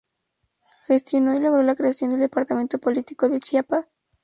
Gestionó y logró la creación del Departamento Político de Chiapa.